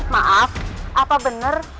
maaf apa bener